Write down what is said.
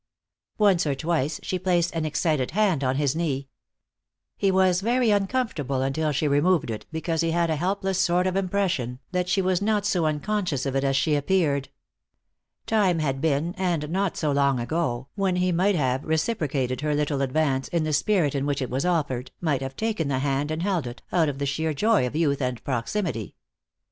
Once or twice she placed an excited hand on his knee. He was very uncomfortable until she removed it, because he had a helpless sort of impression that she was not quite so unconscious of it as she appeared. Time had been, and not so long ago, when he might have reciprocated her little advance in the spirit in which it was offered, might have taken the hand and held it, out of the sheer joy of youth and proximity.